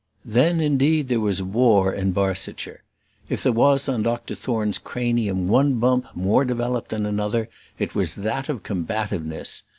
Then, indeed, there was war in Barsetshire. If there was on Dr Thorne's cranium one bump more developed than another, it was that of combativeness.